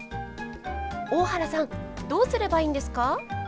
大原さんどうすればいいんですか？